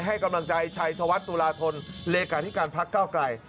ให้กำลังใจชัยธวัฒน์ตุลาธนเลขาธิการพักเก้าไกล